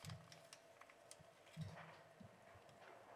He supported the separation of church and state.